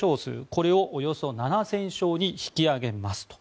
これをおよそ７０００床に引き上げますと。